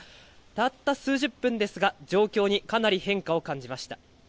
たった数十分ですが、状況にかなり変化を感じました。